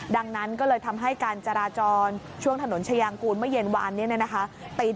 ดังนั้นก็เลยทำให้การจราจรช่วงถนนชายางกูลเมื่อเย็นวานนี้นะคะ